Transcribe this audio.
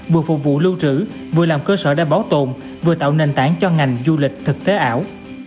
vừa phục vụ lưu trữ vừa làm cơ sở để bảo tồn vừa tạo nền tảng cho ngành du lịch thực tế ảo